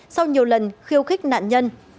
sau nhiều lần khiêu khích nạn nhân